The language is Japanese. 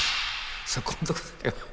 そこんとこだけは。